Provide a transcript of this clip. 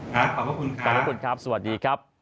ขอบคุณค่ะสวัสดีครับ